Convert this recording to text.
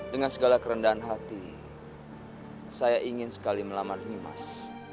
dengan segala kerendahan hati saya ingin sekali melamar humas